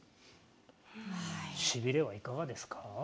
しびれはいかがですか？